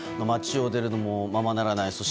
街を出るのも、ままならない。